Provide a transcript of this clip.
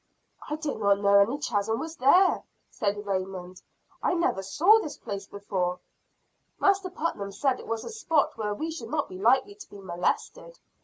"I did not know any chasm was there," said Raymond. "I never saw this place before. Master Putnam said it was a spot where we should not be likely to be molested.